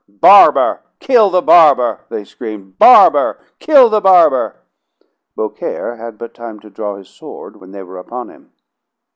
"Barber! Kill the barber!" they screamed. "Barber! Kill the barber!" Beaucaire had but time to draw his sword when they were upon him.